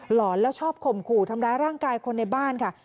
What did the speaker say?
หอนแล้วชอบข่มขู่ทำร้ายร่างกายคนในบ้านค่ะ